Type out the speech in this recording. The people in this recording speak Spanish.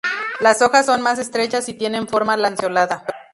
Las hojas son más estrechas y tienen forma lanceolada.